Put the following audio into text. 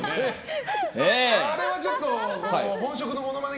あれはちょっと本職のモノマネ